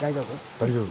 大丈夫。